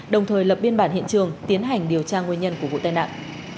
đồng thời lập biên bản hiện trường tiến hành điều tra nguyên nhân của vụ tai nạn